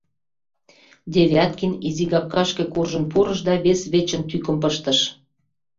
Девяткин изигапкашке куржын пурыш да вес вечын тӱкым пыштыш.